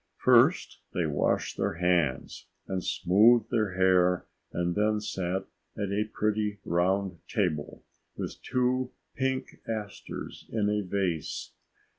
First they washed their hands and smoothed their hair and then sat at a pretty round table with two pink asters in a vase.